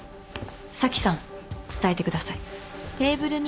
紗季さん伝えてください。